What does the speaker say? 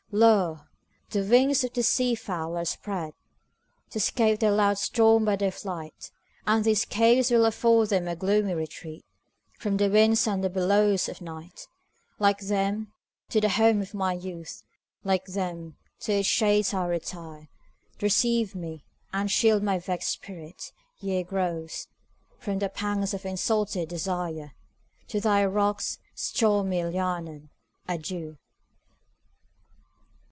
Lo! the wings of the sea fowl are spreadTo escape the loud storm by their flight; And these caves will afford them a gloomy retreatFrom the winds and the billows of night; Like them, to the home of my youth, Like them, to its shades I retire; Receive me, and shield my vexed spirit, ye groves, From the pangs of insulted desire! To thy rocks, stormy Llannon, adieu!